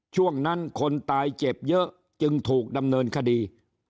ช่วงนั้นคนตายเจ็บเยอะจึงถูกดำเนินคดี